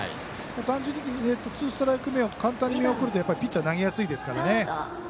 単純にツーストライク目を簡単に見送るとピッチャー投げやすいですからね。